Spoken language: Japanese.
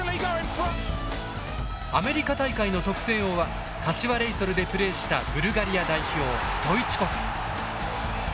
アメリカ大会の得点王は柏レイソルでプレーしたブルガリア代表ストイチコフ。